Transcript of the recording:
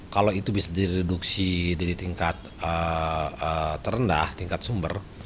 kalau itu bisa direduksi dari tingkat terendah tingkat sumber